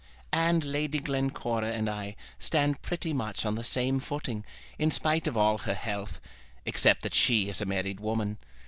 "And Lady Glencora and I stand pretty much on the same footing, in spite of all her wealth, except that she is a married woman.